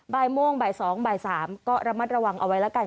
บ่ายโมงบ่าย๒บ่าย๓ก็ระมัดระวังเอาไว้แล้วกัน